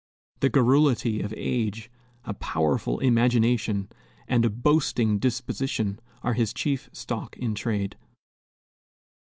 The garrulity of age, a powerful imagination, and a boasting disposition are his chief stock in trade.